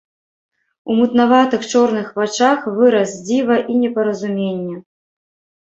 У мутнаватых чорных вачах выраз дзіва і непаразумення.